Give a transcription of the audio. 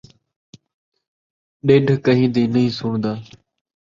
ڈھڈھ کہیں دی نئیں سݨدا